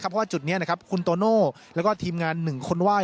เพราะว่าจุดนี้นะครับคุณโตโน่แล้วก็ทีมงานหนึ่งคนว่าย